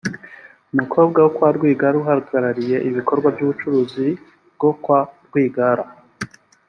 umukobwa wa Rwigara uhagarariye ibikorwa by’ubucuruzi bwo kwa Rwigara